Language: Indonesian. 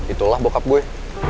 itulah bokap gue